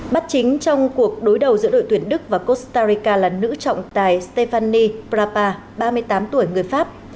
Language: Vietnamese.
bắt chính trong cuộc đối đầu giữa đội tuyển đức và costa rica là nữ trọng tài stephanie brapa ba mươi tám tuổi người pháp